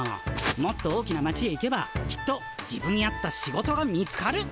もっと大きな町へ行けばきっと自分に合った仕事が見つかる。